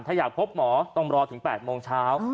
ถ้าอยากพบหมอต้องรอถึง๘โมงเช้า